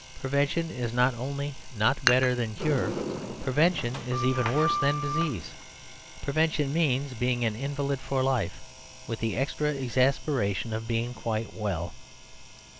Prevention is not only not better than cure; prevention is even worse than disease. Prevention means being an invalid for life, with the extra exasperation of being quite well.